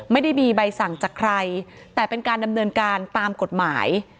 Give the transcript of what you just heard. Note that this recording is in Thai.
ไม่ได้มีใบสั่งจากใครแต่เป็นการดำเนินการตามกฎหมาย